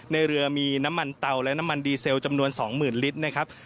ในเรือมีน้ำมันเตาและน้ำมันดีเซลจำนวน๒๐๐๐ลิตรนะครับ